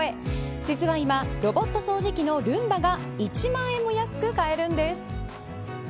実は今、ロボット掃除機のルンバが１万円も安く買えるんです。